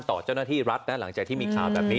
ต่อเจ้าหน้าที่รัฐนะหลังจากที่มีข่าวแบบนี้